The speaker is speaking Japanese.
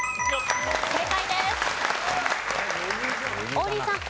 王林さん。